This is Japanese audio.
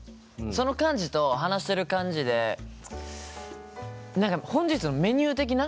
その感じと話してる感じで何か本日のメニュー的な？